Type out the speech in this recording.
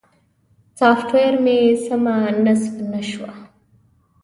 سافټویر مې سمه نصب نه شوه.